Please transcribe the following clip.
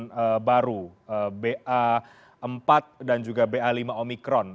varian baru ba empat dan juga ba lima omikron